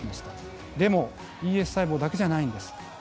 でもＥＳ細胞だけじゃないんです。